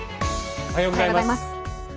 おはようございます。